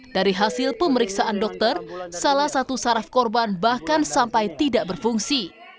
dari hasil pemeriksaan dokter salah satu saraf korban bahkan sampai tidak berfungsi